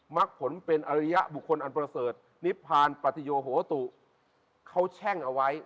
มักผลเป็นอริยบุคคลอันประเสริฐนิพพานปฏิโยโหตุเขาแช่งเอาไว้